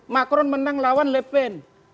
macron menang lawan le pen